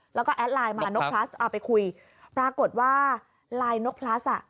แล้วก็แอดไลน์มานกพลัสเอาไปคุยปรากฏว่าไลน์นกพลัสอ่ะ